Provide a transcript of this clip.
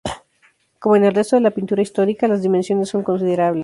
Como en el resto de la pintura histórica, las dimensiones son considerables.